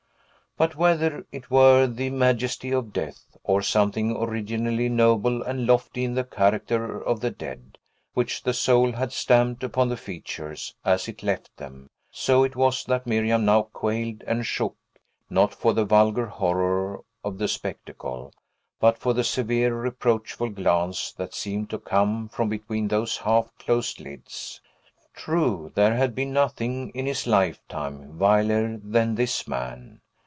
But, whether it were the majesty of death, or something originally noble and lofty in the character of the dead, which the soul had stamped upon the features, as it left them; so it was that Miriam now quailed and shook, not for the vulgar horror of the spectacle, but for the severe, reproachful glance that seemed to come from between those half closed lids. True, there had been nothing, in his lifetime, viler than this man.